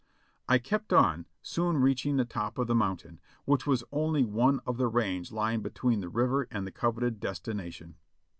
I kept on, soon reaching the top of the moun tain, which was only one of the range lying between the river and the coveted destination.